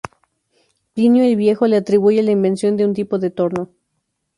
Plinio el Viejo le atribuye la invención de un tipo de torno.